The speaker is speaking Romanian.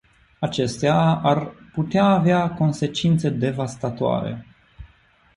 Acestea ar putea avea consecințe devastatoare.